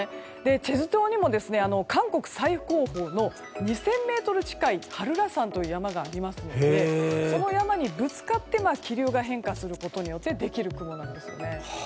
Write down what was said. チェジュ島にも、韓国最高峰の２０００ｍ近いハルラ山という山がありますのでその山にぶつかって気流が変化することによってできる雲なんですよね。